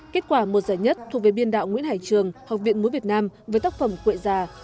kết quả một giải nhất thuộc về biên đạo nguyễn hải trường học viện múa việt nam với tác phẩm quệ già